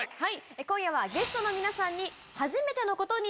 今夜はゲストの皆さん。